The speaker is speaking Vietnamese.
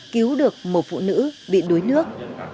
cứu được một phụ nữ bị đuối nước